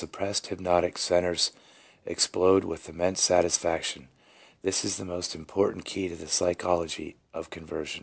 291 pressed hypnotic centres explode with immense satisfaction. This is the most important key to the psychology of ' conversion.'